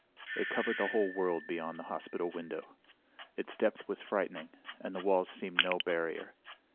It covered the whole world beyond the hospital window. Its depth was frightening, and the walls seemed no barrier.